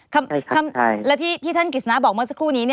และที่ท่านกฤษณะบอกเมื่อสักครู่นี้